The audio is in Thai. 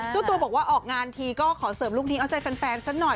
เจ้าตัวบอกว่าออกงานทีก็ขอเสริมลูกนี้เอาใจแฟนสักหน่อย